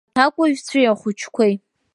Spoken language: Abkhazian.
Аҭакәажәцәеи ахәыҷқәеи…